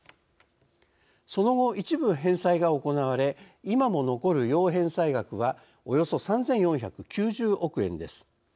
その後、一部返済が行われ今も残る要返済額はおよそ３４９０億円です。